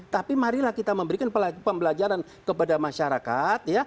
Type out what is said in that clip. tapi marilah kita memberikan pembelajaran kepada masyarakat